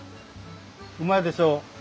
うまいでしょ？